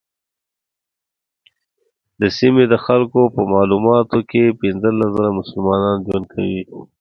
د سیمې د خلکو په معلوماتو په کې پنځلس زره مسلمانان ژوند کوي.